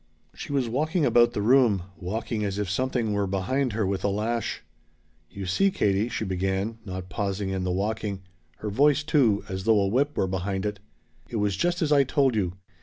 She was walking about the room, walking as if something were behind her with a lash. "You see, Katie," she began, not pausing in the walking her voice, too, as though a whip were behind it "it was just as I told you.